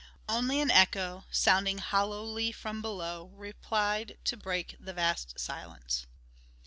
Only an echo, sounding hollowly from below, replied to break the vast silence.